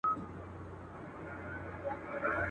د یوه بل په ښېګڼه چي رضا سي.